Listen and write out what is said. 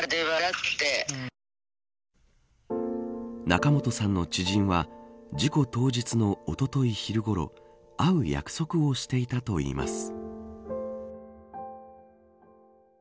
仲本さんの知人は事故当日のおととい昼ごろ会う約束をしていたといいます。